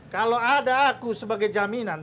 kalau ada aku sebagai jaminan